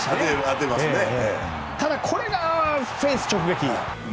ただ、これがフェンス直撃。